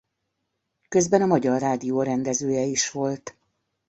Közben a Magyar Rádió rendezője is volt.